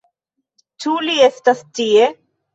Ĉu li estas tie?